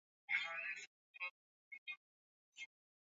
na Shirika la Marekani la Dawa za kulevya kwa pamoja zilitoa